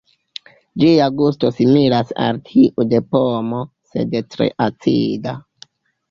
Ĝia gusto similas al tiu de pomo, sed tre acida.